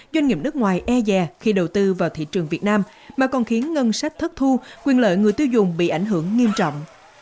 doanh nghiệp nước ngoài e dè khi đầu tư vào thị trường việt nam mà còn khiến ngân sách thất thu quyền lợi người tiêu dùng bị ảnh hưởng nghiêm trọng